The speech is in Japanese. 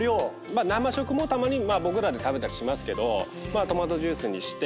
生食もたまに僕らで食べたりしますけどトマトジュースにして。